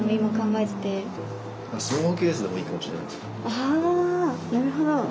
あなるほど！